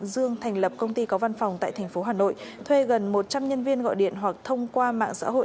dương thành lập công ty có văn phòng tại thành phố hà nội thuê gần một trăm linh nhân viên gọi điện hoặc thông qua mạng xã hội